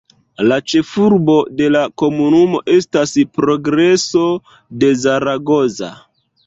La ĉefurbo de la komunumo estas Progreso de Zaragoza.